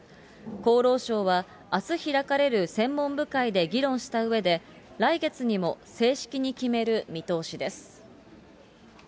厚労省は、あす開かれる専門部会で議論したうえで、来月にも正式に決める見通しです。